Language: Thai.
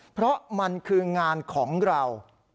เพราะมันคืองานของเรา